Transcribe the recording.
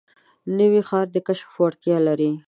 نوی ښار د کشف وړتیا لري